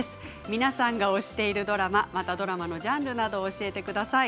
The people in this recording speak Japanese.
皆さんが推しているドラマドラマのジャンルなどを教えてください。